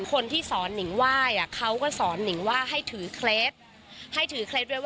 คนที่สอนนิงว่ายเขาก็สอนาดนิงให้ถือเคล็ด